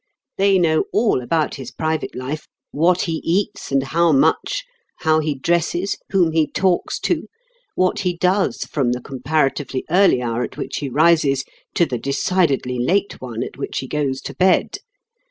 They know all about his private life, what he eats, and how much; how he dresses, whom he talks to, what he does from the comparatively early hour at which he rises to the decidedly late one at which he goes to bed.